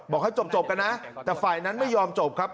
บอกให้จบกันนะแต่ฝ่ายนั้นไม่ยอมจบครับ